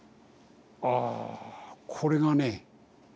ああこれがね